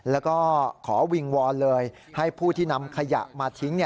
แล้วก็ขอวิงวอนเลยให้ผู้ที่นำขยะมาทิ้ง